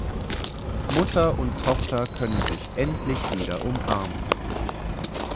Mutter und Tochter können sich endlich wieder umarmen.